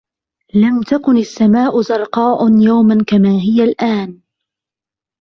لم تكن السماء زرقاء يوماً كما هي الآن